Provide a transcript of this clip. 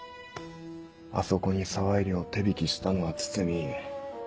あそこに沢入を手引きしたのは堤。